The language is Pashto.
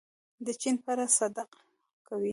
د چین په اړه صدق کوي.